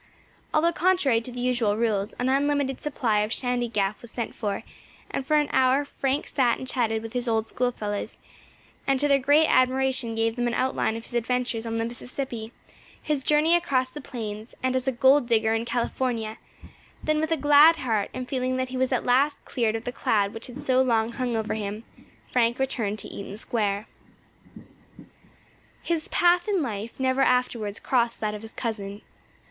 Although contrary to the usual rules, an unlimited supply of shandy gaff was sent for, and for an hour Frank sat and chatted with his old schoolfellows, and to their great admiration gave them an outline of his adventures on the Mississippi, his journey across the plains, and as a gold digger in California; then with a glad heart, and a feeling that he was at last cleared of the cloud which had so long hung over him, Frank returned to Eaton Square. His path in life never afterwards crossed that of his cousin.